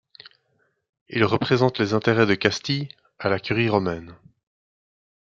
Il représente les intérêts de Castille à la Curie romaine.